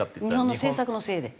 日本の政策のせいで？